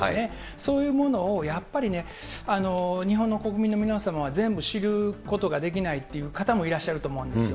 そういうものをやっぱりね、日本の国民の皆様は全部知ることができないって方もいらっしゃると思うんですよ。